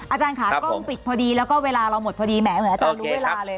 อาจารย์ค่ะกล้องปิดพอดีแล้วก็เวลาเราหมดพอดีแหมเหมือนอาจารย์รู้เวลาเลย